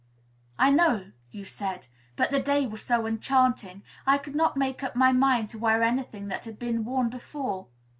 "I know," you said; "but the day was so enchanting, I could not make up my mind to wear any thing that had been worn before."